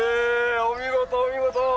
お見事お見事！